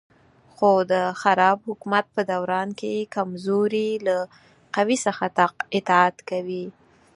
خو د خراب حکومت په دوران کې کمزوري له قوي څخه اطاعت کوي.